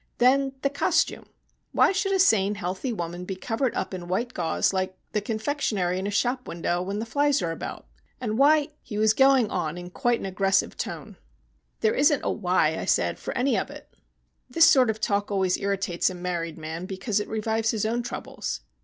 Then the costume. Why should a sane healthy woman be covered up in white gauze like the confectionery in a shop window when the flies are about? And why ?" He was going on in quite an aggressive tone. "There isn't a why," I said, "for any of it." This sort of talk always irritates a married man because it revives his own troubles.